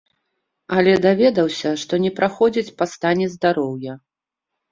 Але даведаўся, што не праходзіць па стане здароўя.